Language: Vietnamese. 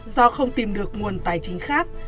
do không tìm được nguồn tài chính khác